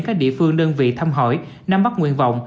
các địa phương đơn vị thăm hỏi nắm bắt nguyện vọng